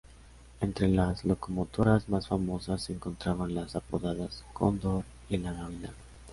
Entre las locomotoras más famosas se encontraban las apodadas "Cóndor" y "La Gavilán".